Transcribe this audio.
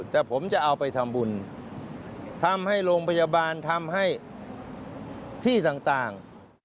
แต่ผมจะเอาไปทำบุญทำให้โรงพยาบาลทำให้ที่ต่าง